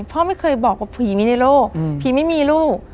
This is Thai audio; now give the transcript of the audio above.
พ่อไม่เคยบอกว่าผีมีในโลกผีไม่มีลูก